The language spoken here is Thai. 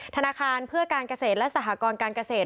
ธนาคารเพื่อการเกษตรและสหกรการเกษตร